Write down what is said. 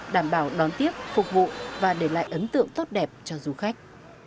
đảm bảo đón tiếp phục vụ và để lại ấn tượng tốt đẹp cho du khách